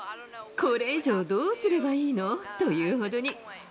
これ以上どうすればいいのというほどに。